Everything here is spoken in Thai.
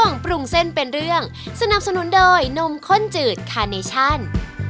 ขอบคุณมากค่ะคุณนอทครับ